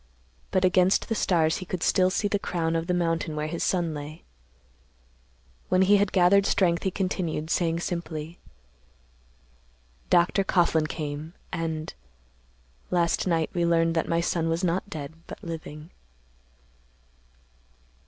But against the stars he could still see the crown of the mountain where his son lay. When he had gathered strength, he continued, saying simply, "Dr. Coughlan came, and—last night we learned that my son was not dead but living."